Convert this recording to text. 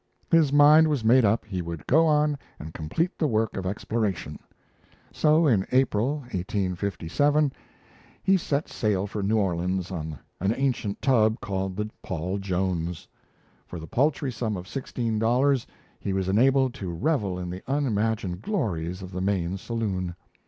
His mind was made up he would go on and complete the work of exploration. So in April, 1857, he set sail for New Orleans on an ancient tub, called the Paul Jones. For the paltry sum of sixteen dollars, he was enabled to revel in the unimagined glories of the main saloon.